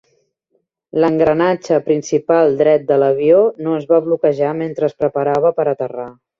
L'engranatge principal dret de l'avió no es va bloquejar mentre es preparava per aterrar.